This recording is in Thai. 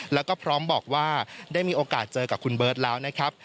แล้วก็พร้อมบอกว่าได้มีโอกาสเจอกับคุณเบิร์ตแล้วนะครับ